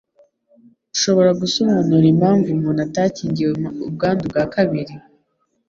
Ushobora gusobanura impamvu umuntu atakingiwe ubwandu bwa kabiri.